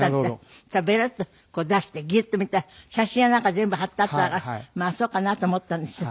そしたらベロッと出してギロッと見たら写真やなんか全部貼ってあったからまあそうかなと思ったんですよ。